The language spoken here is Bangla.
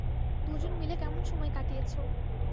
দুজন মিলে কেমন সময় কাটিয়েছো?